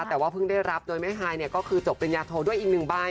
แต่ว่าเพิ่งได้รับโดยแม่ฮายเนี่ยก็คือจบปริญญาโทด้วยอีกหนึ่งใบ